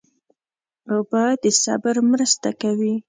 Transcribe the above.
اوبه د صبر مرسته کوي.